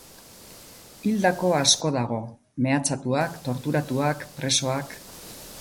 Hildako asko dago, mehatxatuak, torturatuak, presoak...